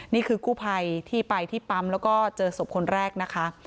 นี่คือกู้ภัยที่ไปที่ปั๊มแล้วก็เจอศพคนแรกนะคะ